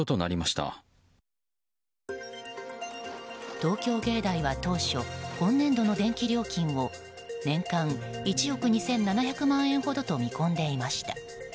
東京藝大は、当初今年度の電気料金を年間１億２７００万円ほどと見込んでいました。